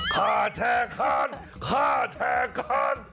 ฆ่าแช่คานฆ่าแช่คาน